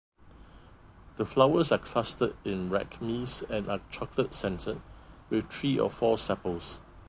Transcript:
The flowers are clustered in racemes and are chocolate-scented, with three or four sepals.